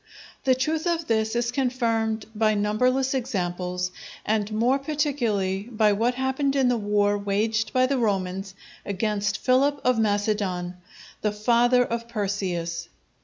The truth of this is confirmed by numberless examples, and more particularly by what happened in the war waged by the Romans against Philip of Macedon, the father of Perseus.